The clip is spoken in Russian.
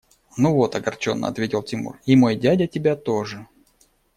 – Ну вот, – огорченно ответил Тимур, – и мой дядя тебя тоже!